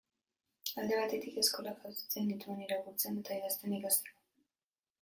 Alde batetik, eskolak jasotzen nituen, irakurtzen eta idazten ikasteko.